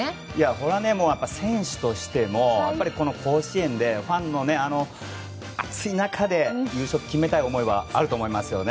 これは選手としても甲子園で熱いファンの中で優勝を決めたい思いはありますよね。